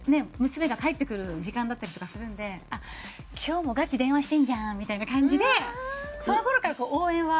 娘が帰ってくる時間だったりとかするんで今日もガチ電話してんじゃんみたいな感じでその頃から応援は。